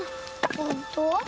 ほんと？